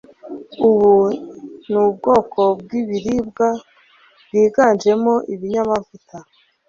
Ubu ni ubwoko bw'ibiribwa bwiganjemo ibinyamavuta.